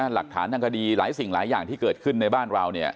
หลักฐานทางคดีหลายสิ่งหลายอย่างที่เกิดขึ้นในบ้านเราเนี่ย